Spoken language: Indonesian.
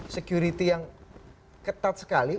security yang ketat sekali